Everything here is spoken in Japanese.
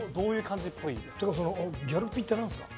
ギャルピって何ですか？